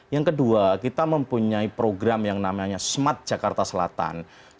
yang kedua kita mempunyai program yang namanya smart jakarta selatan